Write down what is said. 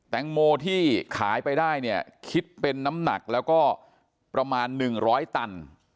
แตงโมที่ขายไปได้เนี่ยคิดเป็นน้ำหนักแล้วก็ประมาณ๑๐๐ตัน